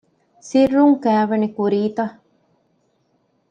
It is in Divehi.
ސިއްރުން ކައިވެނި ކުރީތަ؟